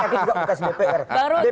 nanti juga dikasih dpr